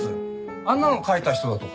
あんなのを書いた人だとか。